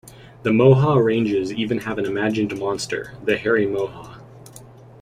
The Moehau Ranges even have an imagined monster, the Hairy Moehau.